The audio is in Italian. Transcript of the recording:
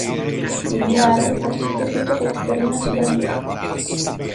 Il dinaro è stato sostituito con la sterlina sudanese.